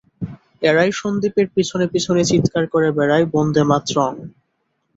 – এরাই সন্দীপের পিছনে পিছনে চীৎকার করে বেড়ায়, বন্দেমাতরং!